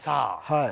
はい。